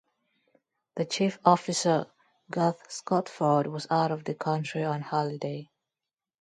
The Chief Officer, Garth Scotford, was out of the country, on holiday.